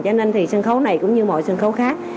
cho nên thì sân khấu này cũng như mọi sân khấu khác